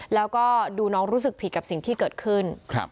แล้วก็ดูน้องรู้สึกผิดกับสิ่งที่เกิดขึ้น